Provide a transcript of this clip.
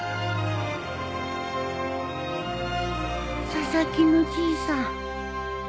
佐々木のじいさん。